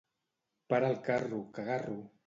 Para el carro, cagarro!